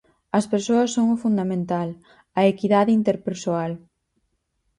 As persoas son o fundamental, a equidade interpersoal.